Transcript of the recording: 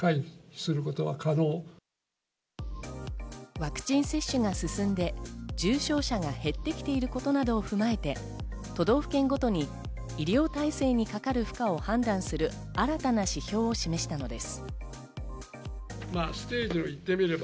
ワクチン接種が進んで、重症者が減ってきていることなどを踏まえて都道府県ごとに医療体制にかかる負荷を判断する新たな指標を示したのです。